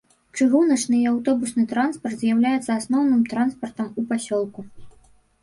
Чыгуначны і аўтобусны транспарт з'яўляецца асноўным транспартам у пасёлку.